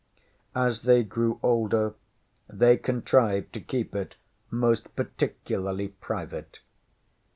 As they grew older, they contrived to keep it most particularly private.